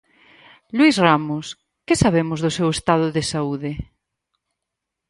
Luís Ramos, que sabemos do seu estado de saúde?